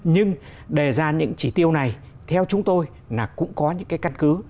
nhưng đề ra những chỉ tiêu này theo chúng tôi là cũng có những cái căn cứ